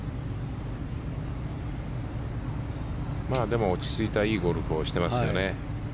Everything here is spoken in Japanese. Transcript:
でも落ち着いたいいゴルフをしていますよね。